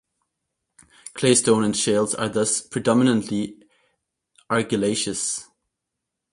Claystone and shales are thus predominantly argillaceous.